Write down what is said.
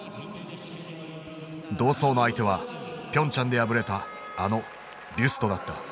同走の相手はピョンチャンで敗れたあのビュストだった。